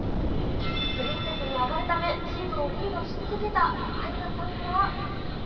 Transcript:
プリンセスに上がるため、チームをリードし続けたアイナさんは。